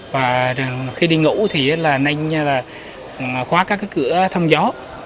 và khi đi ngủ thì nên khóa các cửa thăm gió